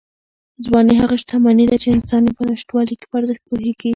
ځواني هغه شتمني ده چې انسان یې په نشتوالي کې په ارزښت پوهېږي.